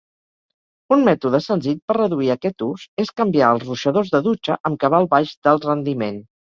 Un mètode senzill per reduir aquest ús és canviar als ruixadors de dutxa amb cabal baix d'alt rendiment.